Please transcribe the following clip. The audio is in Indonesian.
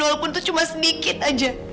walaupun itu cuma sedikit aja